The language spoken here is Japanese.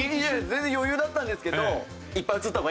全然余裕だったんですけど。